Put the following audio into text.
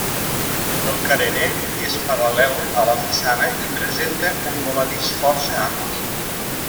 El carener és paral·lel a la façana i presenta un voladís força ampli.